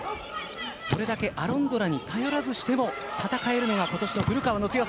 それだけアロンドラに頼らずしても戦えるのが今年の古川の強さ。